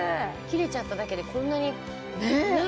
切れちゃっただけでこんなにねえ